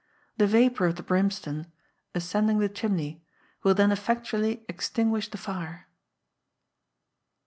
The vapour of the brimstone, ascending the chimney, will then effectually extinguish the fire.